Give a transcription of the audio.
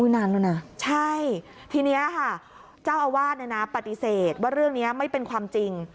นานแล้วนะใช่ทีนี้ค่ะเจ้าอาวาสปฏิเสธว่าเรื่องนี้ไม่เป็นความจริง